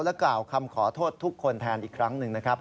กล่าวคำขอโทษทุกคนแทนอีกครั้งหนึ่งนะครับ